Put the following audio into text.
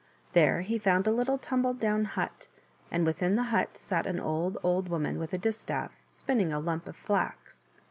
There he found a little tumbled down hut, and within the hut sat an old, old woman with a distaff, spinning a lump of flax.